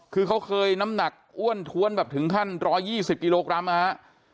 คือเค้าเคยน้ำหนักอ้วนถ้วนแบบถึงขั้นร้อยยี่สิบกิโลกรัมอะฮะ